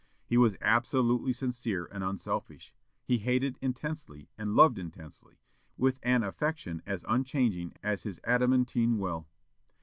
He was absolutely sincere and unselfish. He hated intensely, and loved intensely; with an affection as unchanging as his adamantine will.